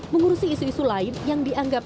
mengurusi isu isu lain yang dianggap